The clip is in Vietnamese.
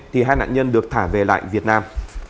thì hai nạn nhân được thả về lại việt nam